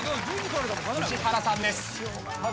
宇治原さんです。